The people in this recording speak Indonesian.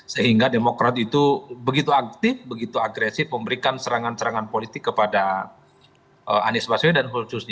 sehingga demokrat itu begitu aktif begitu agresif memberikan serangan serangan politik kepada anies baswedan khususnya